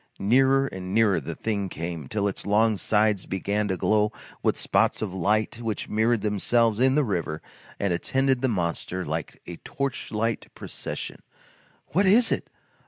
Nearer and nearer the thing came, till its long sides began to glow with spots of light which mirrored themselves in the river and attended the monster like a torchlight procession. "What is it!